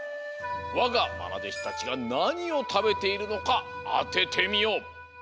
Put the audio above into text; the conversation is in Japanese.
わがまなでしたちがなにをたべているのかあててみよ。